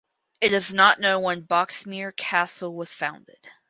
It is not known when Boxmeer Castle was founded.